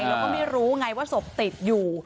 แล้วก็ไม่รู้ไงว่าศพติดอยู่